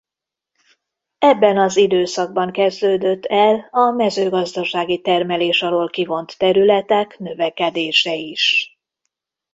Ebben az időszakban kezdődött el a mezőgazdasági termelés alól kivont területek növekedése is.